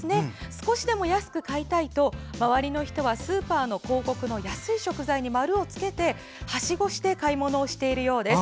少しでも安く買いたいと周りの人はスーパーの広告の安い食材に丸をつけてはしごして買い物をしているようです。